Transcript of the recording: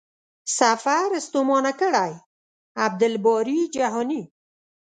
سفر ستومانه کړی.عبدالباري جهاني